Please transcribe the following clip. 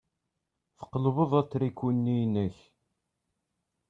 Tqelbeḍ atriku-nni-inek.